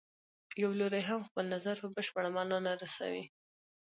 یو لوری هم خپل نظر په بشپړه معنا نه رسوي.